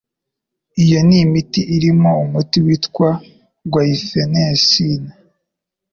Iyo ni imiti irimo umuti witwa gwayifenesine.